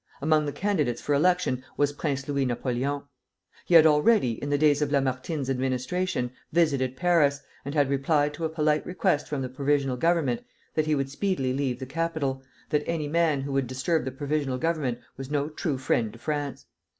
Among the candidates for election was Prince Louis Napoleon. He had already, in the days of Lamartine's administration, visited Paris, and had replied to a polite request from the provisional Government that he would speedily leave the capital, that any man who would disturb the Provisional Government was no true friend to France.